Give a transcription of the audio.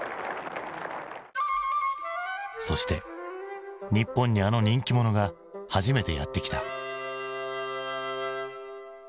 そして日本にあの人気者が初めてやって来た。